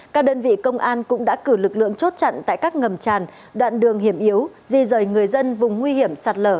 các đơn vị công an cũng đã cử lực lượng chốt chặn tại các ngầm tràn đoạn đường hiểm yếu di rời người dân vùng nguy hiểm sạt lở